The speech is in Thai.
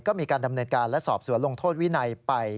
ก็มีการดำเนินการและสอบสวนลงโทษวินัยไป